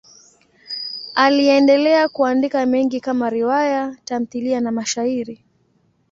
Aliendelea kuandika mengi kama riwaya, tamthiliya na mashairi.